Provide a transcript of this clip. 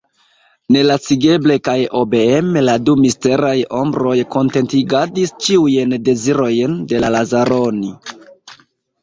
Nelacigeble kaj obeeme la du misteraj ombroj kontentigadis ĉiujn dezirojn de Lazaroni.